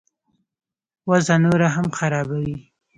وضع نوره هم خرابوي.